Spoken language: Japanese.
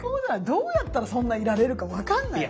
どうやったらそんないられるか分かんないよ。